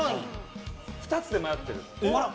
２つで迷ってる。